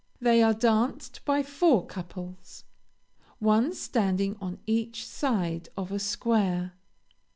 They are danced by four couples, one standing on each side of a square.